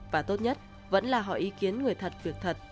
và tốt nhất vẫn là hỏi ý kiến người thật việc thật